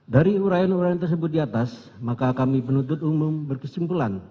dari urayan uraian tersebut di atas maka kami penuntut umum berkesimpulan